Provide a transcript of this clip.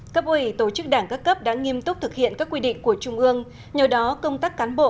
cấp ủy tổ chức đảng các cấp đã nghiêm túc thực hiện các quy định của trung ương nhờ đó công tác cán bộ